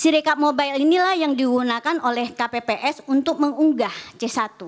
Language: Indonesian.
sirekap mobile inilah yang digunakan oleh kpps untuk mengunggah c satu